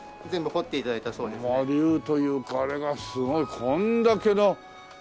竜というかあれがすごいこれだけの。